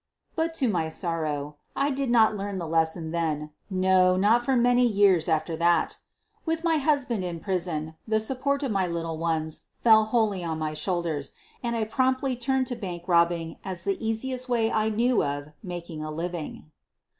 But, to my sorrow, I did not learn the lesson then —no, not for many years after that. With my hus band in prison the support of my little ones felX wholly on my shoulders, and I promptly turned to bank robbing as the easiest way I knew of making a living.